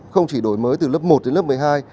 không chỉ đổi mới từ lớp một đến lớp một mươi hai